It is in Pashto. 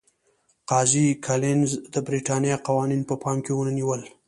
قاضي کالینز د برېټانیا قوانین په پام کې ونه نیول.